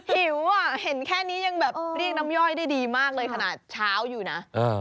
หิวอ่ะเห็นแค่นี้ยังแบบเรียกน้ำย่อยได้ดีมากเลยขนาดเช้าอยู่นะ